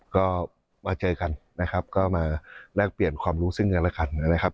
ก็มาเจอกันนะครับก็มาแลกเปลี่ยนความรู้ซึ่งกันแล้วกันนะครับ